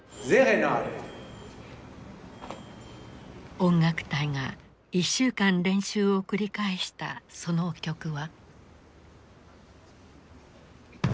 音楽隊が１週間練習を繰り返したその曲は。